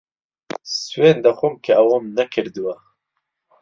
سوێند دەخۆم کە ئەوەم نەکردووە.